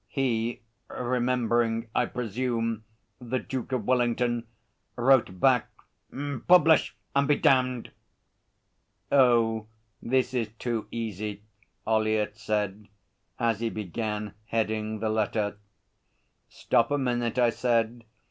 He, remembering, I presume, the Duke of Wellington, wrote back, 'publish and be damned.' 'Oh! This is too easy,' Ollyett said as he began heading the letter. 'Stop a minute,' I said.